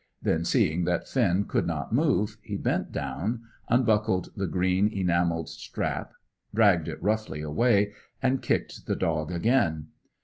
Then, seeing that Finn could not move, he bent down, unbuckled the green enamelled strap, dragged it roughly away, and kicked the dog again.